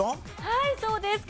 はいそうです。